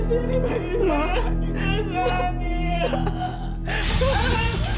tidak tidak mungkin